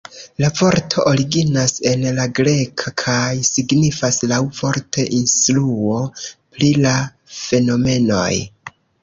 La vorto originas en la greka kaj signifas laŭvorte "instruo pri la fenomenoj".